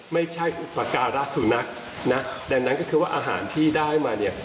ไม่ใช่อุปการะสุนัขนะดังนั้นก็คือว่าอาหารที่ได้มาเนี่ย